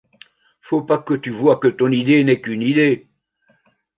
faut pas que tu voies que ton idée n'est qu'une idée.